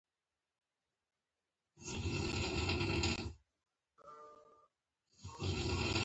مصباح الحق یو تجربه لرونکی لوبغاړی وو.